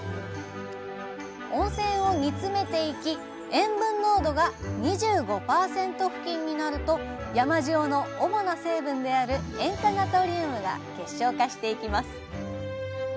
塩分濃度が２５％付近になると山塩の主な成分である塩化ナトリウムが結晶化していきます。